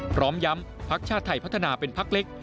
พร้อมย้ำพักชาติไทยพัฒนาเป็นพักเล็ก